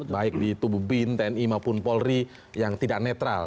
baik di tubuh bin tni maupun polri yang tidak netral